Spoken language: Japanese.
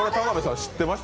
知ってました？